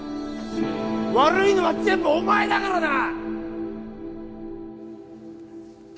悪いのは全部お前だからな！